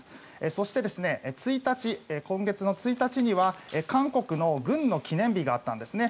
そして、今月１日には韓国の軍の記念日があったんですね。